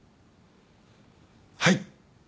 はい！